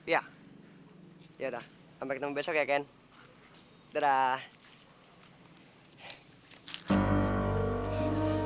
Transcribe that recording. ya ya udah sampai ketemu besok ya ken dadah